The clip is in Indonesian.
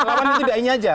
lawan itu tidak ini aja